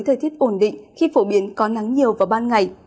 thời tiết ổn định khi phổ biến có nắng nhiều vào ban ngày